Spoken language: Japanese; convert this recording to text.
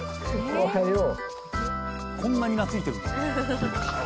おはよう。